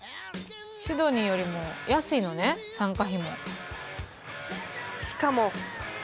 シドニーよりも安いのね参加費も。